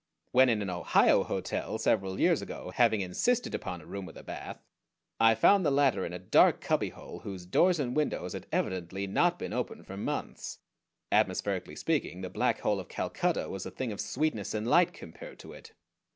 When in an Ohio hotel several years ago, having insisted upon a room with a bath, I found the latter in a dark cubbyhole whose doors and windows had evidently not been opened for months. Atmospherically speaking, the Black Hole of Calcutta was a thing of sweetness and light compared to it.